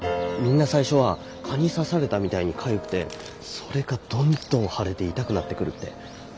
みんな最初は蚊に刺されたみたいにかゆくてそれがどんどん腫れて痛くなってくるって。